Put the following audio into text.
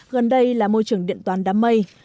gần đây là môi trường điện toàn đám mây